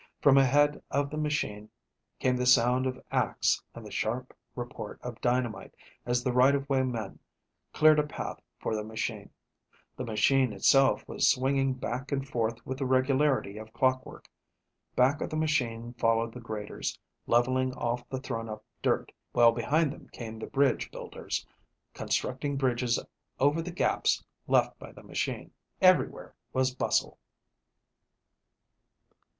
From ahead of the machine came the sound of axe and the sharp report of dynamite, as the right of way men cleared a path for the machine. The machine itself was swinging back and forth with the regularity of clockwork. Back of the machine followed the graders, leveling off the thrown up dirt, while behind them came the bridge builders, constructing bridges over the gaps left by the machine. Everywhere was bustle.